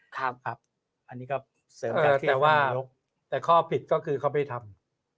แต่ข้อผิดก็คือเค้าไม่ทำ